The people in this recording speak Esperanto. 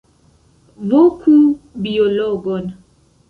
Voku biologon!